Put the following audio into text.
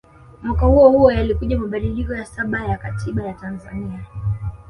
Mwaka huohuo yalikuja mabadiliko ya saba ya Katiba ya Tanzania